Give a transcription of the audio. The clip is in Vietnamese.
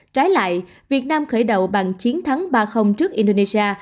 trái lại việt nam khởi động bằng chiến thắng ba trước indonesia